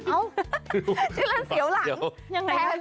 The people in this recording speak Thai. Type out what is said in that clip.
อ้าวชื่อร้านเสียวหลัง